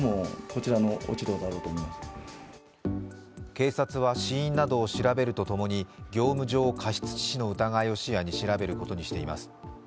警察は死因などを調べるとともに、業務上過失致死の疑いを視野に調べることにしています。